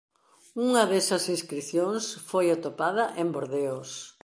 Unha desas inscricións foi atopada en Bordeos.